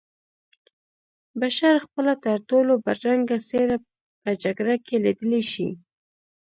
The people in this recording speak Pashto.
بشر خپله ترټولو بدرنګه څېره په جګړه کې لیدلی شي